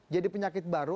jadi penyakit baru